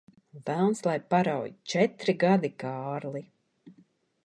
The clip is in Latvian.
Velns lai parauj! Četri gadi, Kārli.